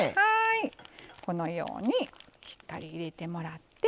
このようにしっかり入れてもらって。